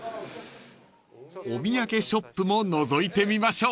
［お土産ショップものぞいてみましょう］